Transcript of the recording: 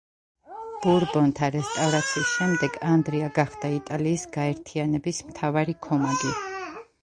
ბურბონთა რესტავრაციის შემდეგ, ანდრია გახდა იტალიის გაერთიანების მთავარი ქომაგი.